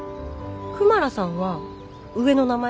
クマラさんは上の名前？